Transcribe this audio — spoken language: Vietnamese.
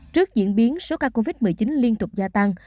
trước diễn biến số ca covid một mươi chín liên tục gia tăng